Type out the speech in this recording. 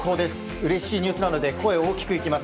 うれしいニュースなので声を大きくいきます。